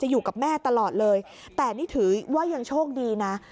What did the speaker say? อยู่กับแม่ตลอดเลยแต่นี่ถือว่ายังโชคดีนะ